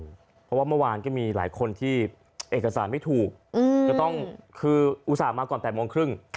เพราะว่าเมื่อวานก็มีหลายคนที่เอกสารไม่ถูกจะต้องคืออุตส่าห์มาก่อน๘โมงครึ่ง